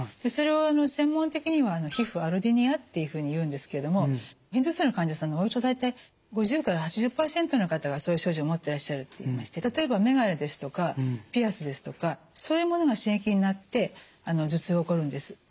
それを専門的には皮膚アロディニアっていうふうにいうんですけども片頭痛の患者さんのおよそ大体５０８０％の方がそういう症状を持ってらっしゃるといいまして例えばメガネですとかピアスですとかそういうものが刺激になって頭痛が起こるんです。